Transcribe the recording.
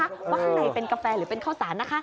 ว่าข้างในเป็นกาแฟหรือเป็นข้าวสารนะคะ